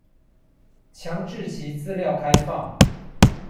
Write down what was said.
強制其資料開放